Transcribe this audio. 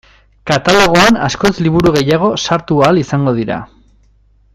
Katalogoan askoz liburu gehiago sartu ahal izango dira.